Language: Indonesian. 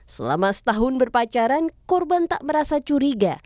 selama setahun berpacaran korban tak merasa curiga